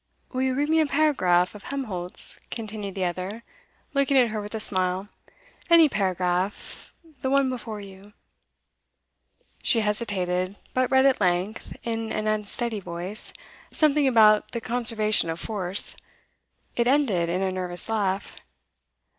'Will you read me a paragraph of Helmholtz?' continued the other, looking at her with a smile. 'Any paragraph, the one before you.' She hesitated, but read at length, in an unsteady voice, something about the Conservation of Force. It ended in a nervous laugh.